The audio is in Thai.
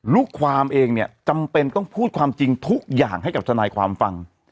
ลูกความเองเนี่ยจำเป็นต้องพูดความจริงทุกอย่างให้กับทนายความฟัง